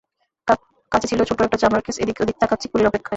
কাছে ছিল ছোটো একটা চামড়ার কেস–এদিক ওদিকে তাকাচ্ছি কুলির অপেক্ষায়।